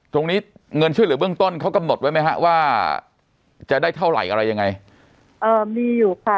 เงินช่วยเหลือเบื้องต้นเขากำหนดไว้ไหมฮะว่าจะได้เท่าไหร่อะไรยังไงเอ่อมีอยู่ค่ะ